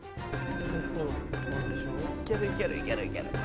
いけるいける。